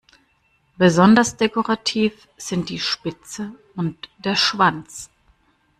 Besonders dekorativ sind die Spitze und der Schwanz.